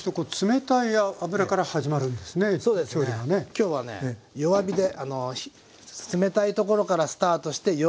今日は弱火であの冷たいところからスタートして弱火でじっくり煮る。